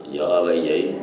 giờ là vậy